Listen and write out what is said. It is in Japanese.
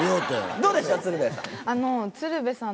どうですか、鶴瓶さん。